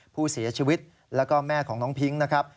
ผู้เสียชีวิตแล้วก็แม่ของน้องพิ้งนะครับ